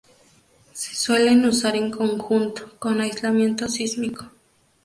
Se suelen usar en conjunto con aislamiento sísmico.